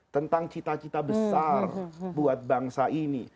tentang cita cita besar buat bangsa ini